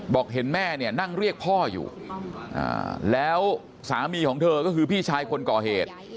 บอกเห็นแม่เนี่ยนั่งเรียกพ่ออยู่แล้วสามีของเธอก็คือพี่ชายคนก่อเหตุ